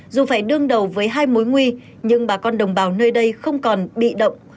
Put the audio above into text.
dù phải đương đầu với hai mối nguy nhưng bà con đồng bào nơi đây không còn bị động